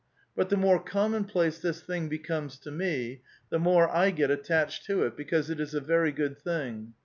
But the more common place this thing becomes to me, the more I get attached to it, because it is a very good thing.